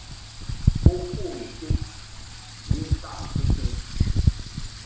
Bo ŋkom ked ni ntaʼ bɨsɨŋ.